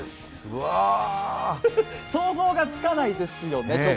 想像がつかないですよね。